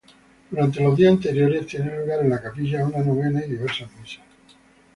Durante los días anteriores, tiene lugar en la capilla una novena y diversas misas.